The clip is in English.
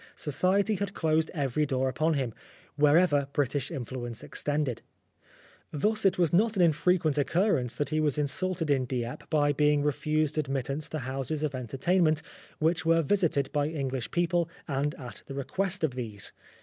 Society had closed every door upon him, wherever British influence extended. Thus it was not an infrequent occurrence that he was insulted in Dieppe by being refused admittance to houses of enter tainment which were visited by English people, and at the request of these.